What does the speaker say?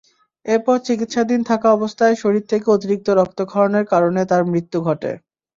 এরপর চিকিৎসাধীন থাকা অবস্থায় শরীর থেকে অতিরিক্ত রক্তক্ষরণের কারণে তাঁর মৃত্যু ঘটে।